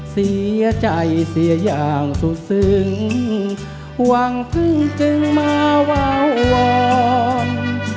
เสียใจเสียอย่างสุดซึ้งหวังพึ่งจึงมาวาวอน